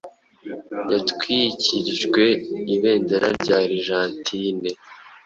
yatwikirijwe ibendera rya Argentine